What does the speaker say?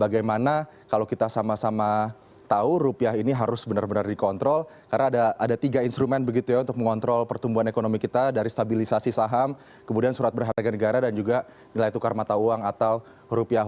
bagaimana kalau kita sama sama tahu rupiah ini harus benar benar dikontrol karena ada tiga instrumen begitu ya untuk mengontrol pertumbuhan ekonomi kita dari stabilisasi saham kemudian surat berharga negara dan juga nilai tukar mata uang atau rupiah